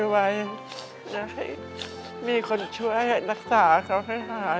ไว้อยากให้มีคนช่วยรักษาเขาให้หาย